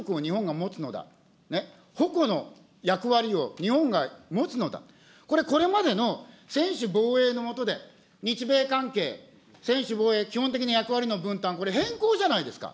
個々の役割を矛の役割を日本が持つのだと、これこれまでの専守防衛の下で、日米関係、専守防衛、基本的役割の分担、これ、変更じゃないですか。